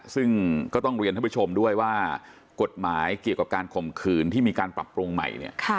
ซึ่งก็ต้องเรียนท่านผู้ชมด้วยว่ากฎหมายเกี่ยวกับการข่มขืนที่มีการปรับปรุงใหม่เนี่ย